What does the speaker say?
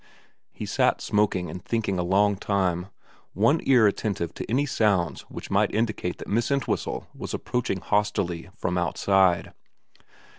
He sat smoking and thinking a long time, one ear attentive to any sounds which might indicate that Miss Entwhistle was approaching hostilely from outside.